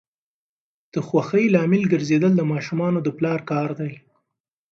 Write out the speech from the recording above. د خوښۍ لامل ګرځیدل د ماشومانو د پلار کار دی.